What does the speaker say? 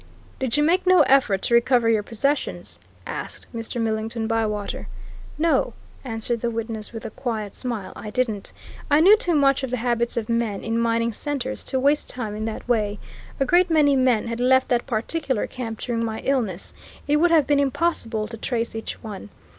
"Did you make no effort to recover your possessions?" asked Mr. Millington Bywater. "No," answered the witness with a quiet smile. "I didn't! I knew too much of the habits of men in mining centers to waste time in that way. A great many men had left that particular camp during my illness it would have been impossible to trace each one.